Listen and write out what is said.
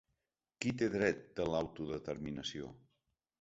Qui té dret de l’autodeterminació?